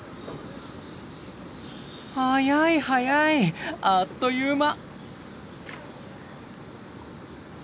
速い速いあっという間。